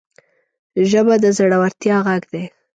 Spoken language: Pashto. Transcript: ژبه د زړورتیا غږ ده